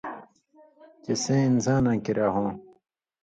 چے سَیں اِنساناں کریا ہوں۔